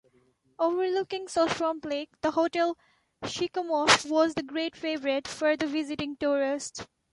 Overlooking Shuswap Lake, the Hotel Sicamous was a great favourite with the visiting tourist.